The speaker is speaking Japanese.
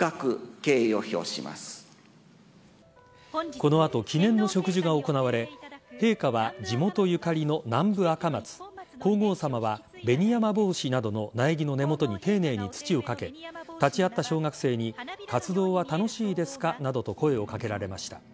この後、記念の植樹が行われ陛下は地元ゆかりの南部アカマツ皇后さまはベニヤマボウシなどの苗木の根元に丁寧に土をかけ立ち会った小学生に活動は楽しいですかなどと声を掛けられました。